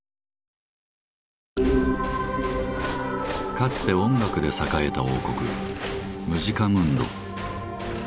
かつて音楽で栄えた王国「ムジカムンド」。